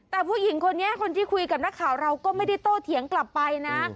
แต่ผู้หญิงคนนี้คนที่คุยกับนักข่าวเราก็ไม่ได้โตเถียงกลับไปนะ